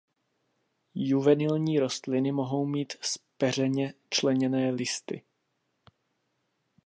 Juvenilní rostliny mohou mít zpeřeně členěné listy.